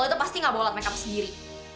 kamu pasti nggak bawa alat makeup sendiri